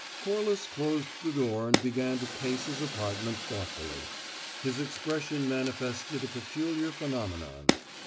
Corliss closed the door and began to pace his apartment thoughtfully. His expression manifested a peculiar phenomenon.